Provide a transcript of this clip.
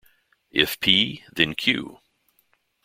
If P then Q.